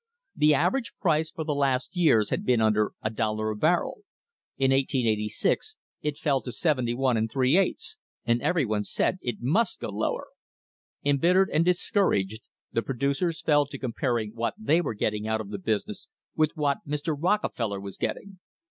The average price for the last years had been under a dollar a barrel. In 1886 it fell down to 71^, and everyone said it must go lower. Embittered and discouraged, the pro ducers fell to comparing what they were getting out of the business with what Mr. Rockefeller was getting.